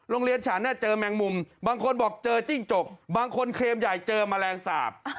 โรงเรียนฉันเจอแมงมุมบางคนบอกเจอจิ้งจกบางคนเคลมใหญ่เจอแมลงสาป